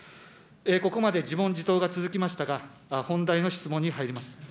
ここまで自問自答が続きましたが、本題の質問に入ります。